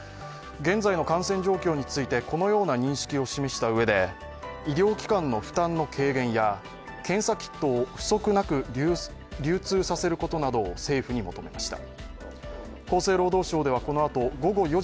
現在の感染状況についてこのような認識を示したうえで医療機関の負担の軽減や、検査キットを不足なく流通させることなどを政府に求めました。